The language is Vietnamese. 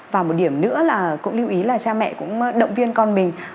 và một điểm nữa là cũng lưu ý là cha mẹ cũng động viên con mình